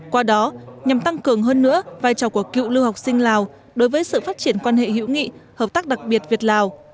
qua đó nhằm tăng cường hơn nữa vai trò của cựu lưu học sinh lào đối với sự phát triển quan hệ hữu nghị hợp tác đặc biệt việt lào